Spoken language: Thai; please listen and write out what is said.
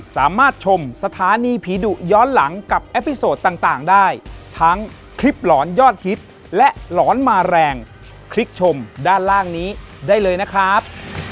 สวัสดีครับ